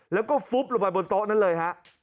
แล้วก็ฟุ๊บลงไปบนโต๊ะนั้นเลยฮะ